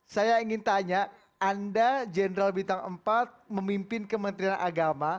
saya ingin tanya anda jenderal bintang empat memimpin kementerian agama